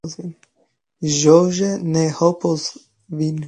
Ĝoje ni helpos vin.